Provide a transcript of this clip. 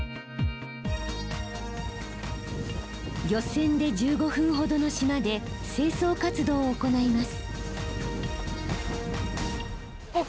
漁船で１５分ほどの島で清掃活動を行います。